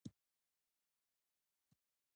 د خاورې ډېره برخه په توده او استوایي سیمه پرته ده.